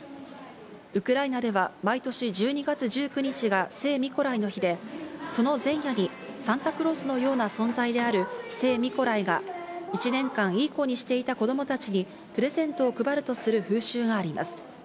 ウクライナでは毎年１２月１９日が聖ミコライの日でその前夜にサンタクロースのような存在である聖ミコライが、１年間、良い子にしていた子供たちにプレゼントを配るとする風習があります。